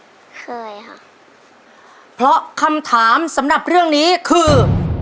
เคยค่ะเพราะคำถามสำหรับเรื่องนี้คือ